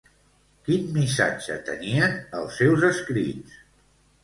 Quin missatge tenien els seus escrits?